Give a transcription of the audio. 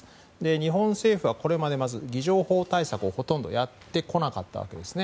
日本政府はこれまでまず偽情報対策をほとんどやってこなかったわけですね。